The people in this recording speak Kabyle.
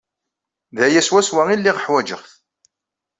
D aya swaswa ay lliɣ ḥwajeɣ-t.